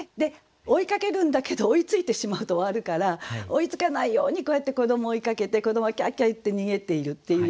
追いかけるんだけど追いついてしまうと終わるから追いつかないようにこうやって子どもを追いかけて子どもはキャッキャ言って逃げているっていうような。